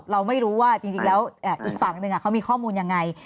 เราไม่รู้ว่าจริงแล้วอีกฝั่งหนึ่งเขามีข้อมูลยังไง